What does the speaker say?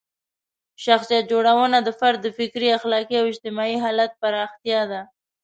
شخصیت جوړونه د فرد د فکري، اخلاقي او اجتماعي حالت پراختیا ده.